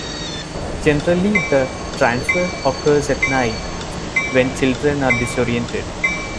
Generally the "transfer" occurs at night, when children are disoriented.